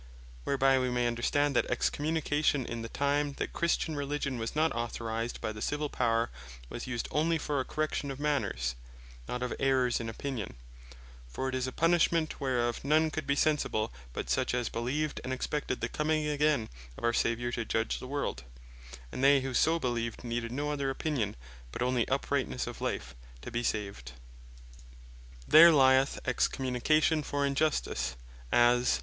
Whereby wee may understand, that Excommunication in the time that Christian Religion was not authorized by the Civill Power, was used onely for a correction of manners, not of errours in opinion: for it is a punishment, whereof none could be sensible but such as beleeved, and expected the coming again of our Saviour to judge the world; and they who so beleeved, needed no other opinion, but onely uprightnesse of life, to be saved. For What Fault Lyeth Excommunication There Lyeth Excommunication for Injustice; as (Mat.